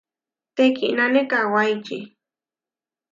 Teʼkínane kawáiči.